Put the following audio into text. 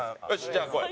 じゃあこい！